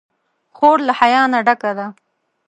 خور له حیا نه ډکه ده.